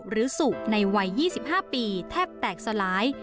สุในวัย๒๕ปีแทบแตกสลาย